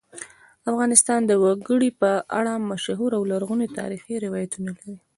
افغانستان د وګړي په اړه مشهور او لرغوني تاریخی روایتونه لري.